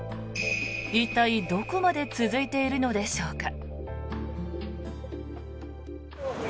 一体、どこまで続いているのでしょうか。